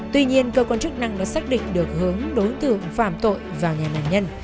tuy nhiên cơ quan chức năng đã xác định được hướng đối tượng phạm tội vào nhà nạn nhân